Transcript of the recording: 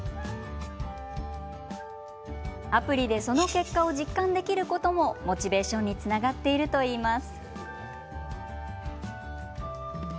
アプリでその結果を実感できることもモチベーションにつながっているといいます。